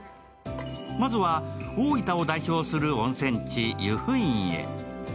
まずは大分を代表する温泉地由布院へ。